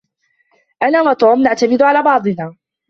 أنا وتوم نعتمد على بعضنا.